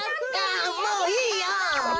あもういいよ！